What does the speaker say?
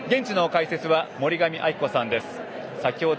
現地の解説は森上亜希子さんです。